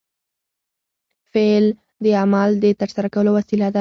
فعل د عمل د ترسره کولو وسیله ده.